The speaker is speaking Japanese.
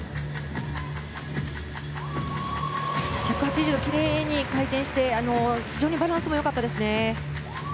１８０度きれいに回転して非常にバランスも良かったですね。